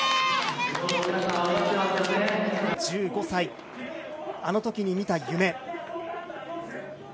１５歳、あのときに見た夢。